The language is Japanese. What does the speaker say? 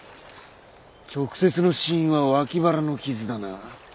直接の死因は脇腹の傷だな。